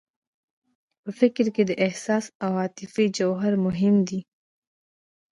په فکر کې د احساس او عاطفې جوهر مهم دی